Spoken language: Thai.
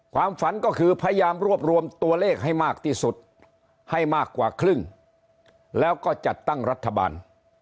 ความฝันก็คือพยายามรวบรวมตัวเลขให้มากที่สุดให้มากกว่าครึ่งแล้วก็จัดตั้งรัฐบาล